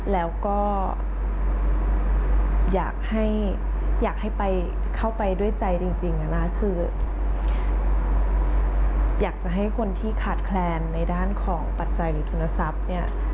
แล้วก็อยากให้ไปเข้าไปด้วยใจจริงนะคืออยากจะให้คนที่ขาดแคลนในด้านของปัจจัยหรือทุนทรัพย์เนี่ย